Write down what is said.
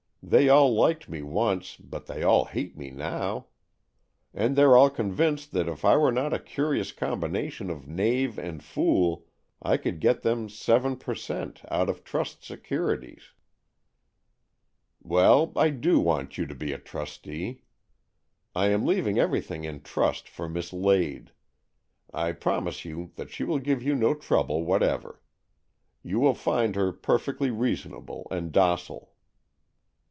They all liked me once, but they all hate me now. And they're all convinced that if I were not a curious combination of knave and fool, I could get them seven per cent, out of trust securities." "Well, I do want you to be a trustee. I am leaving everything in trust for Miss Lade. I promise you that she will give you no trouble whatever. You will find her per fectly reasonable and docile."